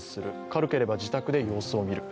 軽ければ自宅で様子を見る。